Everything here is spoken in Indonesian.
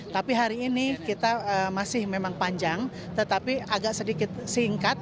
tapi hari ini kita masih memang panjang tetapi agak sedikit singkat